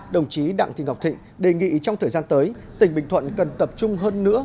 đồng chí đặng thị ngọc thịnh đề nghị trong thời gian tới tỉnh bình thuận cần tập trung hơn nữa